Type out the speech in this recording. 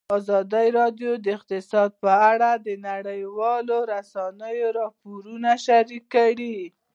ازادي راډیو د اقتصاد په اړه د نړیوالو رسنیو راپورونه شریک کړي.